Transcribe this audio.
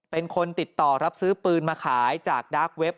เป็นคนติดต่อรับซื้อปืนมาขายจากดาร์กเว็บ